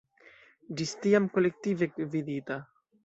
Ĝis tiam kolektive gvidita.